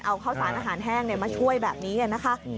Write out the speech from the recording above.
เอาข้าวสารอาหารแห้งมาช่วยแบบนี้นะคะ